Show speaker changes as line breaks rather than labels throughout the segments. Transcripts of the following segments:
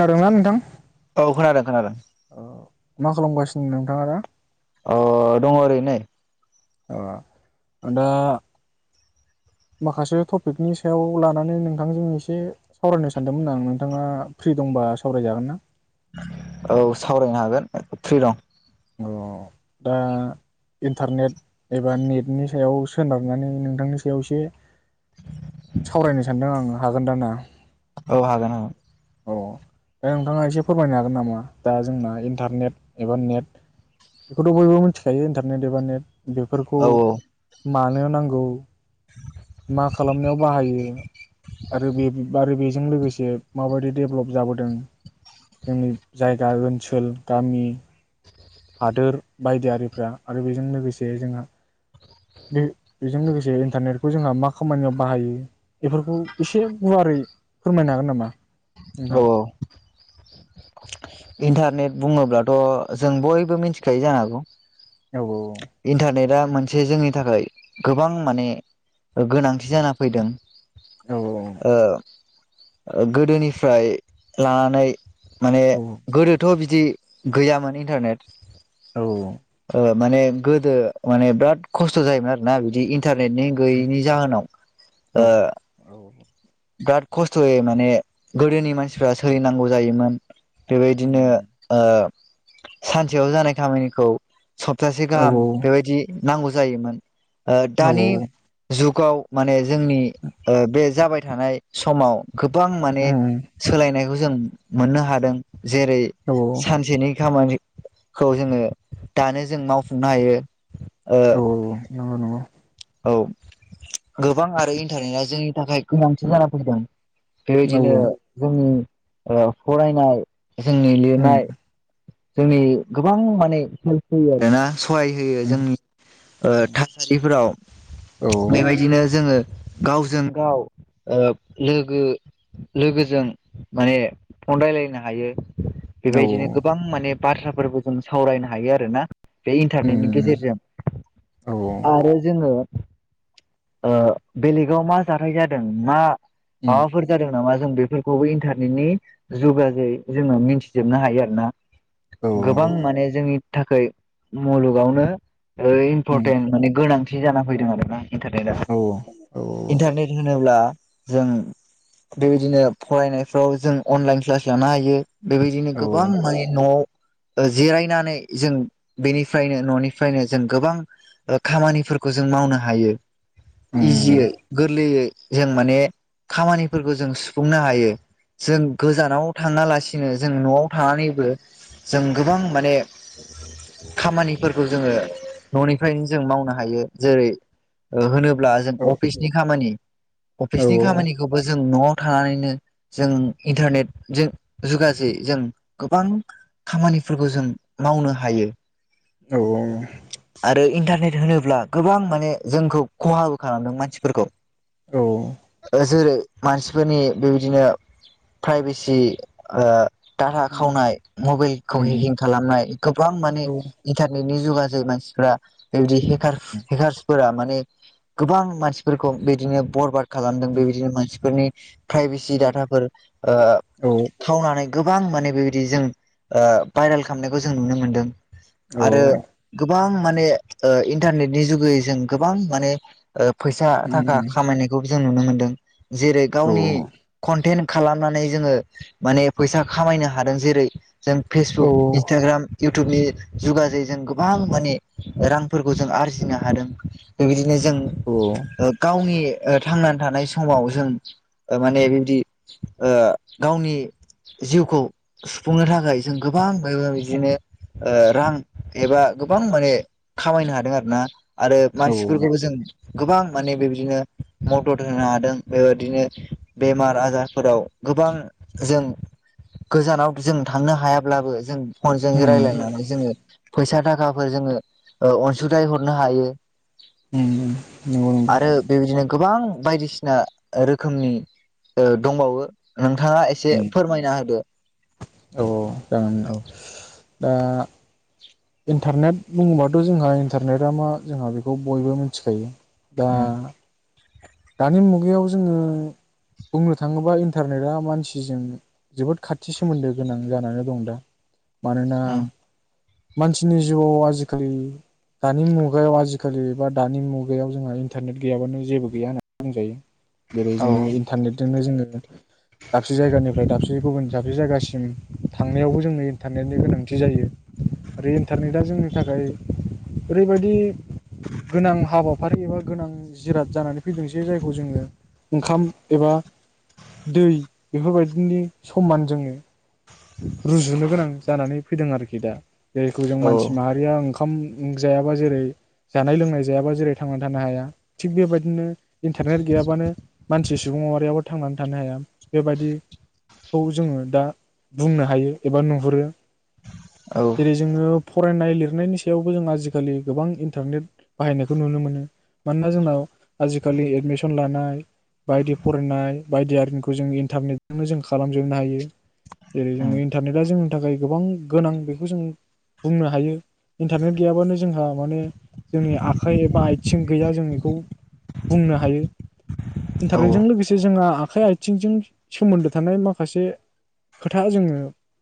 खोनादोंना नोंथां
औ खोनादों-खोनादों।
मा खालामगासिनो नोंथाङा दा।
अ दङ ओरैनो।
अ दा। माखासे टपिकनि सायाव लानानै नोंथांजों एसे सावरायनो सानदोंमोन आं नोंथाङा फ्रि दंबा सावरायजागोन ना।
औ सावरायनो हागोन फ्रि दं।
अ दा इन्टारनेट एबार नेटनि सायाव सोनारनानै नोंथांनि सायाव एसे सावरायनो सानदों आङो। हागोन दा ना?
औ हागोन हागोन।
औ ओमफ्राय नोंथाङा एसे फोरमायनो हागोन नामा दा जोंना इन्टारनेट एबा नेट। बेखौथ बयबो मिथिखायो इन्टारनेट एबा नेट बेफोरखौ
औ
मानो नांगौ।
[inaudible]
मा खालामनायाव बाहायो आरो बे आरो बेजों लोगोसे माबायदि डेभलप जाबोदों जोंनि जायगा ओनसोल गामि हादोर बायदिआरिफ्रा आरो बेजों लोगोसे जोंहा बे बेजों लोगोसे इन्टारनेटखौ जोंहा मा खामानियाव बाहायो बेफोरखौ एसे गुवारै फोरमायनो हागोन नामा? नोंथाङा
औ औ।
[inaudible]
इन्टारनेट बुङोब्लाथ जों बयबो मिथिखायो जानो हागौ।
औ औ औ।
दा मोनसे जोंनि थाखाय गोबां माने गोनांथि जाना फैदों।
औ
ओ। ओ गोदोनि फ्राय लानानै माने
औ
गोदोथ बि बदि गैयामोन इन्टारनेट
औ औ।
ओ माने गोदो माने बिराद खस्थ जायोमोन आरोना बिदि इन्टा इन्टारनेटनि गैयैनि जाहोनाव
औ
ओ।
औ
बिराद खस्थयै माने गोदोनि मानसिफ्रा सोलिनांगौ जायोमोन। बेबायदिनो।
उम
सानसेयाव जानाय खामानिखौ सप्तासे गाहाम बेबायदि नांगौ जायोमोन। ओ दानि जुग गाव माने जोंनि ओ बे जाबाय हानाय समाव। गोबां माने सोलायनाय जों मोननो हादों। जेरै
औ
सानसेनि खामानि खौ जोङो दानो जों मावफुंनो हायो। ओ
औ नंगौ
औ गोबां आरो इन्टारनेटआ जोंनि थाखाय गोनांथि जाना फैदों। बेबायदिनो
नंगौ
जोंनि ओ फारायनाय। जोंनि
औ उम
लिरनाय। जोंनि गोबां माने हेल्प होयो आरोना। सहाय होयो
उम
जोंनि ओ था औ
औ
बेबायदिनो जों जोङो गावजों गाव ओ लोगो लोगोजों माने फन रायलायनो हायो।
औ
बेबायदिनो गोबां माने बाथ्राफोरखौ जों सावरायनो हायो आरोना। बे इन्टारनेटनि
उम
गेजेरजों।
औ
जोङो ओ बेलेगाव मा जाथाइ जादों मा माबाफोर जादों नामा जों बे बेफोरखौबो इन्टारनेटनि [unintelligible] जोङो मिथिजोबनो हायो आरो ना। गोबां माने जोंनि थाखाय मुलुगावनो ओ इम्परटेन्ट माने गोनांथि जाना फैदों आरोना। इन्टारनेटा इन्टारनेट होनोब्ला जों बेबायदिनो फरायनायफ्राव जों अनलाइन क्लास लानो हायो बेबायदिनो गोबां माने नआव जिरायनानै जों बेनिफ्रायनो ननिफ्रायनो जों गोबां ओ खामानिफोरखौ जों मावनो हायो इजियै गोरलैयै जों माने खामानिफोरखौ जों सुफुंनो हायो जों गोजानाव थाङालासिनो जों नआव थानानैबो जों गोबां माने खामानिफोरखौ जोङो ननिफ्रायनो जों मावनो हायो जेरै होनोब ब्ला जों अफिसनि खामानि अफिसनि खामानिखौबो जों नआ थानानैनो जों इन्टारनेटजों [unintelligible] जों गोबां खामानिफोरखौ जों मावनो हायो
औ औ
आरो इन्टारनेट होनोब्ला गोबां माने जोंखौ खहाबो खालामदों मानसिफोरखौ जेरै मानसिफोरनि बेबायदिनो प्राइभेसि ओ दाहा खावनाय मबाइलखौ हेकिं खालामनाय गोबां माने इन्टारनेटनि [unintelligible] मानसिफोरा बेबायदि हेकार्स हेकार्सफोरा माने गोबां मानसिफोरखौ बिदिनो बरबाद खालामदों बेबायदिनो मानसिफोरनि प्राइभेसि दाथाफोर ओ खावनानै गोबां माने बेबायदि जों ओ भाइरेल खालामनायखौ जों नुनो मोनदों। आरो गोबां माने इन्टारनेटनि जुगै जों गोबां माने फैसा थाखा खामायनायखौ जों नुनो मोनदों जेरै गावनि खनटेन्ट खालामनानै जोङो माने फैसा खामायनो हादों जेरै जों फेसबुक इन्सटाग्राम इउटुबनि जुगाजै जों गोबां माने रांफोरखौ जों आरजिनो हादों बेबायदिनो जों गावनि ओ थांनानै थानाय समाव जों ओ माने बिबायदि गावनि जिउखौ सुफुंनो थाखाय जों गोबां ओ रां एबा गोबां माने खामायनो हादों आरो ना। आरो मानसिफोरखौबो जों गोबां माने बेबायदिनो मदद होनो हादों बेबायदिनो बेमार आजारफोराव गोबां जों गोजानाव जों थांनो हायाब्लाबो जों फनजों रायलायनानै जोङो फैसा थाखाफोर जोङो अनसुंथाइ हरनो हायो
नंगौ नंगौ,
आरो बेबायदिनो गोबां बायदिसिना रोखोमनि ओ दंबावो नोंथाङा एसे
उम,
फोरमायना होदो।
औ औ जागोन
औ
दा इन्टारनेट बुङोबाथ' जोंहा इन्टारनेटा मा जोंहा बेखौ बयबो मिथिखायो। दा
ओं
दानि मुगायाव जोङो बुंनो थाङोबा इन्टारनेटआ मानसिजों जोबोद खाथि सोमोन्दो गोनां जानानै दं दा मानोना
ओं
मानसिनि जिउआव आजिखालि दानि मुगायाव आजिखालि बा दानि मुगायाव जोंहा इन्टारनेट गैयाबानो जेबो गैया बुं जायो। जेरै जोङो इन्टारनेटजोंनो जोङो दाबसे जायगानिफ्राय दाबसे गुबुन दाबसे जायगासिम थांनायावबो जोंनो इन्टारनेटनि गोनांथि जायो आरो इन्टारनेटआ जोंनि थाखाय ओरैबायदि गोनां हाबा फारि एबा गोनां जिराद जानानै फैदोंसै जायखौ जोङो ओंखाम एबा दै बेफोरबायदिनि समान जोङो रुजुनो गोनां जानानै फैदों आरोखि दा। जायखौ जों
औ
मानसि माहारिया ओंखा ओंखाम जायाबा जेरै जानाय लोंनाय जायाबा जेरै थांनानै थानो हाया थिग बेबायदिनो इन्टारनेट गैयाबानो मानसि सुबुं महरियाबो थांनानै थानो हाया बेबायदिखौ जोङो दा बुंनो हायो एबा नुहुरो।
औ
जेरै जोङो फरायनाय लिरनायनि सायावबो जों आजिखालि गोबां इन्टारनेट बाहायनायखौ नुनो मोनो मानोना जोंनाव आजिखालि एडमिसन लानाय बायदि फरायनाय बायदि आरिंखौ जों इन्टारनेटजोंनो जों खालामजोबनो हायो। जेरै जोङो इन्टारनेटा जों थाखाय गोबां गोनां बेखौ जों बुंनो हायो इन्टारनेट गैयाबानो जोंहा माने जोंनि आखाइ एबा आथिं गैया जों इखौ बुंनो हायो।
औ
इन्टारनेटजों
ओं
लोगोसे जोंङा आखाइ आथिंजों सोमोन्दो थानाय माखासे खोथा जोङो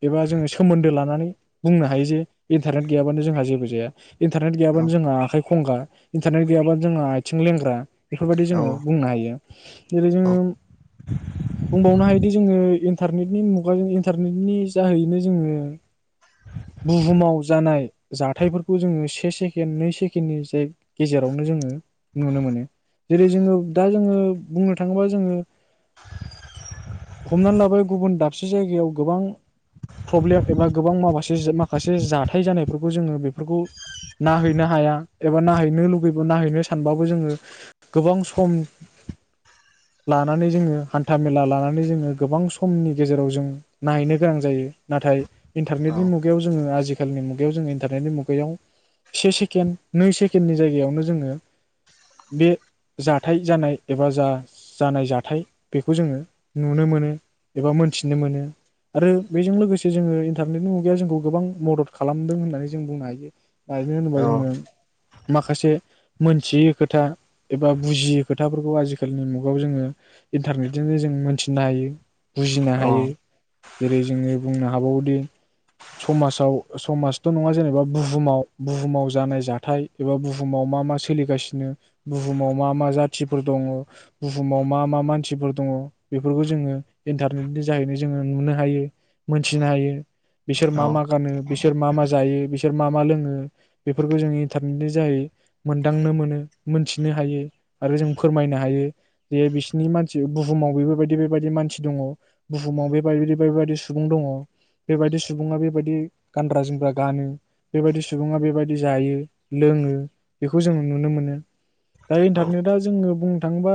एबा जोङो सोमोन्दो ला नानै बुंनो हायो जे इन्टारनेट गैयाबानो जोंहा जेबो जाया। इन्टारनेट
औ
गैयाबानो जों आखाय खंगा इन्टारनेट गैयाबा जोंहा आथिं लेंग्रा। बेफोरबायदि
औ
जोङो बुंनो हायो। जेरै जोङो बुंबावनो हायोदि जोङो इनटारनेटनि मु गाजों इन्टारनेटनि जाहैयैनो जोङो बुहुमाव जानाय जाथायफोरखौ जोङो से सेकेणड नै सेकेण्डनि जे गेजेरावनो जोङो नुनो मोनो। जेरै जोङो दा जोङो बुंनो थाङोबा जोङो हमनानै लाबाय गुबुन दाब दाबसे जायगायाव गोबां प्रब्लेम एबा गोबां माबासे माखासे जाथाय जानायफोरखौ जोङो बेफोरखौ नायहैनो हाया एबा नायहैनो लुबैबो नायहैनो सानबाबो जोङो गोबां सम लानानै जोङो हान्था मेला लानानै जोङो गोबां समनि गेजेराव जों नायहैनो गोनां जायो नाथाय
औ
इन्टारनेटनि मुगायाव जो आजि इन्टारनेट मुगायाव जों इन्टारनेटनि मुगायाव से सेकेणड नै सेकेणडनि जायगायावनो जोङो बे जाथाय जानाय एबा जा जानाय जाथाय बेखौ जोङो नुनो मोनो। एबा मोनथिनो मोनो आरो बेजों लोगोसे जोङो इन्टारनेटनि मुगाया जोंखौ गोबां मदद खालामदों होननानै जों बुंनो हायो। होयो बिनो होनोबा
औ
जोङो माखासे मोनथियै खोथा एबा बुजियै खोथाफोरखौ आजिखालिनि मुगायाव जोङो इन्टारनेटजोंनो जों मोनथिनो हायो। बुजिनो
औ
हायो। जेरै जोङो बुंनो हाबावोदि समाजाव समाजथ नङा जेनेबा बुहुमाव बुहुमाव जानाय जाथाय एबा बुहुमाव मा मा सोलिगासिनो बुहुमाव मा मा जाथिफोर दङ बुहुमाव मा मा मानसिफोर दङ बेफोरखौ जोङो इन्टारनेट नि जाहैनो जोङो नुनो हायो मोनथिनो हायो। बिसोर मा मा गानो बिसोर मा मा जायो बिसोर मा मा लोङो बेफोरखौ जों इन्टारनेटनि जाहै मोनदांनो मोनो मोनथिनो हायो आरो जों फोरमायनो हायो जे बिसोरनि मानसि बुहुमाव बेफोरबायदि बेबायदि मानसि दङ बुहुमाव बेबायदि बेबायदि सुबुं दङ बेबायदि सुबुङा बेबायदि गानग्रा जोमग्रा गानो बेबायदि सुबुङा बेबायदि जायो लोङो बेखौ जोङो नुनो मोनो। दा इन्टारनेटा जोङो बुंनो थाङोबा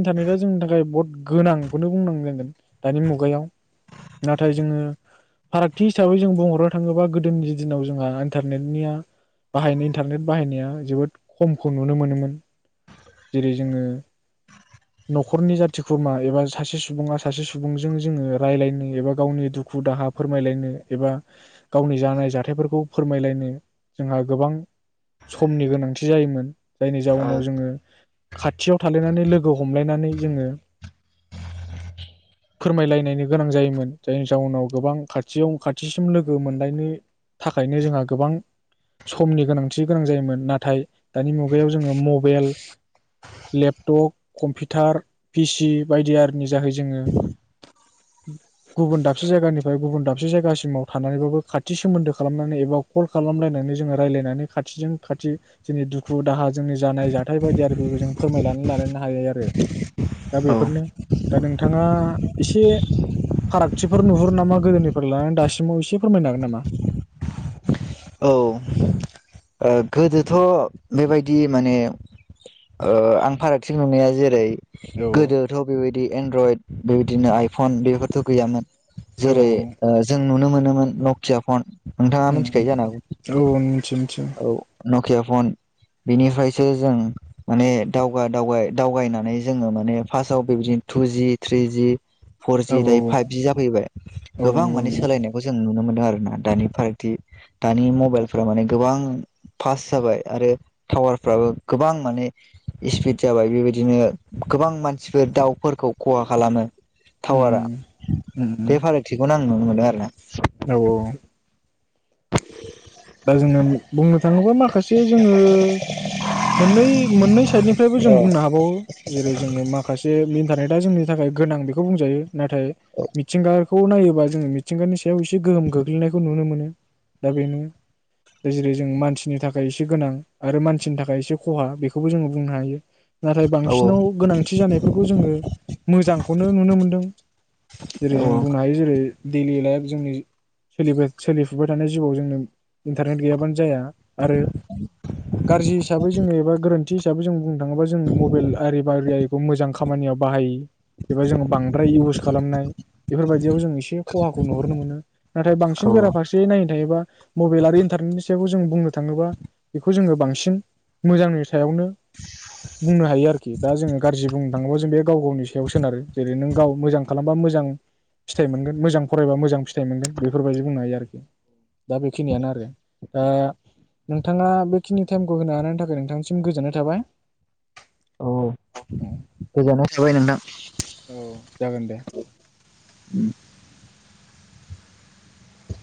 इन्टारनेटा जोंनि थाखाय बहुत गोनांखौनो बुंनां नांगोन दानि मुगायाव नाथाय जोङो फारागथि हिसाबै जों बुंहरनो थाङोल्बा गोदोनि दिनाव जोंहा इन्टारनेटनिया बाहायनायनि थांगोन बाहायनाया जोबोद खमखौ नुनो मोनोमोन जेरै जोङो नखरनि जाथि खुरमा एबा सासे सु सुबुङा सासे सुबुंजों जोङो रायज्लायनो एबा गावनि दुखु दाहा फोरमायलायनो एबा गावनि जानाय जाथायफोरखौ फोरमायलायनो जोंहा गोबां समनि गोनांथि जायोमोन। जायनि जाउनाव जोङो खाथियाव थालायनानै लोगो हमलायनानै जोङो फोरमायलायायनो गोनां जायोमोन जायनि जाउनाव गोबां खाथियाव खाथिसिम लोगो मोनलायनो थाखायनो जोंहा गोबां समनि गोनांथि गोनां जायोमोन नाथाय दानि मुगायाव जोङो मबाइल लेपटप कम्पिउटार पिसि बायदि आरो जाहै जोङो गुबुन दाबसे जायगानिफ्राय गुबुन दाबसे जायगासिमाव थानानैबाबो खाथि सोमोन्दो खालामनानै एबा कल खालामलायनानै जोङो रायजलायनानै खाथिजों खाथि जोंनि दुखु दाहा जोंनि जानाय जाथाय बायदि आरो जों फोरमायनानै लालायनो हायो आरो दा
औ
बेफोरनो नोंथाङा एसे फारागथिफोर नुहुरो नामा गोदोनिफ्राय लानानै दासिमाव एसे फोरमायनो हागोन नामा
औ गोदोथ बेबायदि माने ओ आं फारागथि नुनाया जेरै
औ
गोदोथ बेबायदि बिदि एनड्रयद बेबायदिनो आइफन बेफोरथ गैयामोन
औ
जेरै ओ जों नुनो मोनोमोन नकिया फन नोंथाङा थायो जानो
औ औ मिथियो मिथियो
हागौ औ नकिया फन बिनिफ्रायसो जों माने दावगा दाव दावगायनानै जोङो माने फार्स्टआव बेबायदिनो टुजि थ्रिजि
औ
फरजि दायो फाइभजि जाफैबाय
औ
गोबां
नंगौ
माने
नंगौ
सोलायनायखौ जों नुनो मोनो आरोना दानि फारागथि दानि मबाइलफ्रा माने गोबां फास्ट जाबाय आरो टावारफ्राबो गोबां माने स्पिड जाबाय बेबायदिनो गोबां मानसिफोर दाउफोरखौ खहा खालामो
उम
टावारा
उम उम
बे फारागथिखौ आं नुनो मोनो आरो ना
औ औ
[inaudible]
दा जोङो बुंनो थाङोबा माखासे जोङो मोननै मोननै साइडनिफ्रायबो जों बुंनो हाबावो जेरै जोङो माखासे [unintelligible] दा जोंनि थाखाय गोनां बेखौ बुंजायो नाथाय मिथिंगा खौ नायोबा जोङो मिथिंगानि सायाव एसे गोहोम गोग्लैनायखौ नुनो मोनो दा बेनो जेरै जों मानसिनि थाखाय एसे गोनां आरो मानसिनि थाखाय एसे खहा बेखौबो जोङो बुंनो हायो। नाथाय
औ
बांसिनाव गोनांथि जानायफोरखौ जोङो मोजांखौनो नुनो मोनदों जेरै
औ
जों बुंनो हायो जेरै दैलि लाइफ जोंनि सोलि सोलिफुबाय थानाय जिउआव जोंनो इन्टारनेट गैयाबानो जाया आरो गाज्रि हिसाबै जोङो एबा गोरोन्थि हिसाबै जों बुंनो थाङोबा जों मबाइल आरि बा आरि आरिखौ मोजां खामानियाव बाहायि एबा जोङो बांद्राय इउस खालामनाय बेफोरबायदियाव जों एसे खहाखौ नुहरनो मोनो नाथाय
औ
बांसिन गोरा फारसे नाय योबा मबाइल आरो इन्टारनेटनि सायाव जों बुंनो थाङोबा बेखौ जोङो बांसिन मोजांनि सायावनो बुंनो हायो आरो खि दा जोङो गाज्रि बुंनो थाङोबा जों बे गाव गावनि सायाव सोनारो जेरै नों गाव मोजां खालामबा मोजां फिथाइ मोनगोन मोजां फरायबा मोजां फिथाइ मोनगोन बेफोरबायदि बुंनो हायो आरोखि दा बे खिनियानो आरो दा नोंथाङा बेखिनि टाइमखौ होनो हानायनि थाखाय नोंथांनिसिम गोजोननाय थाबाय
औ गोजाननाय थाबाय नोंथां [inaudible]
औ जागोन दे
उम